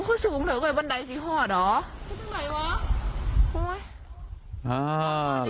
ก็สูงเหลือกว่าบันไดสี่ห้อห็ดหรอ